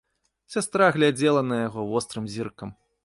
Сястра глядзела на яго вострым зіркам.